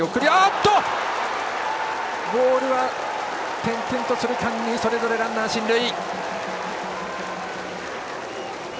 ボールは転々とする間にそれぞれランナー進塁。